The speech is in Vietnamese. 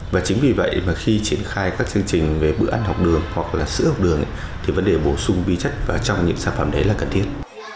và chính vì vậy mà khi triển khai các chương trình về bữa ăn học đường hoặc là sữa học đường thì vấn đề bổ sung vi chất vào trong những sản phẩm đấy là cần thiết